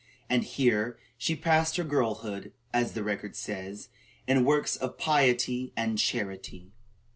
And here she passed her girlhood, as the record says, "in works of piety and charity."